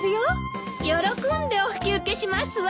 喜んでお引き受けしますわ！